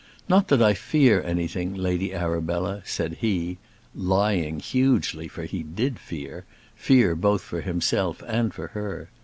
"Not that I fear anything, Lady Arabella," said he, lying hugely, for he did fear; fear both for himself and for her.